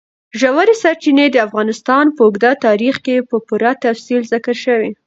ژورې سرچینې د افغانستان په اوږده تاریخ کې په پوره تفصیل ذکر شوی.